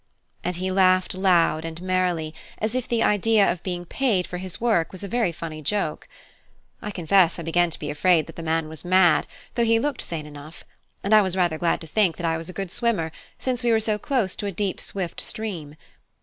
And he laughed loud and merrily, as if the idea of being paid for his work was a very funny joke. I confess I began to be afraid that the man was mad, though he looked sane enough; and I was rather glad to think that I was a good swimmer, since we were so close to a deep swift stream.